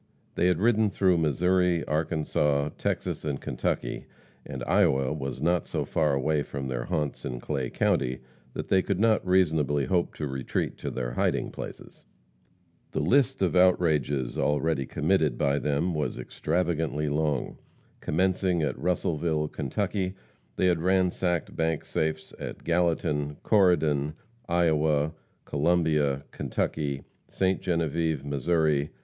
They had ridden through Missouri, Arkansas, Texas and Kentucky, and Iowa was not so far away from their haunts in Clay county that they could not reasonably hope to retreat to their hiding places. The list of outrages already committed by them was extravagantly long. Commencing at Russellville, Kentucky, they had ransacked bank safes at Gallatin, Corydon, Iowa, Columbia, Kentucky, Ste. Genevieve, Mo.